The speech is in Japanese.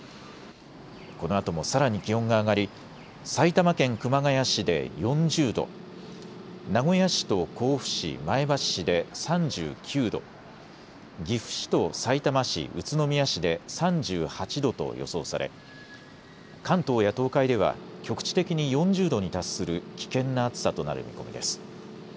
このあともさらに気温が上がり、埼玉県熊谷市で４０度、名古屋市と甲府市、前橋市で３９度、岐阜市とさいたま市、宇都宮市で３８度と予想され、関東や東海では局地的に４０度に達する危険な暑さとなる見込みです。